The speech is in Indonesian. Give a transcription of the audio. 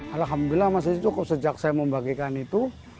alhamdulillah masih cukup sejak saya membagikan itu